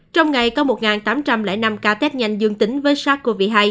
trong ngày có một tám trăm linh năm ca test nhanh dương tính với sars cov hai